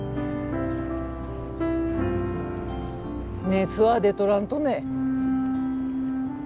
熱は出とらんとね？